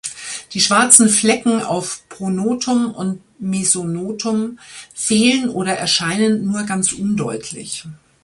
Die schwarzen Flecken auf Pronotum und Mesonotum fehlen oder erscheinen nur ganz undeutlich.